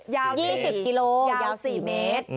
ยาว๔เมตร